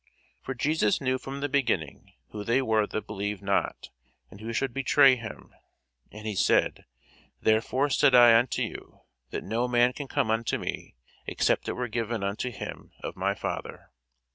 For Jesus knew from the beginning who they were that believed not, and who should betray him. And he said, Therefore said I unto you, that no man can come unto me, except it were given unto him of my Father.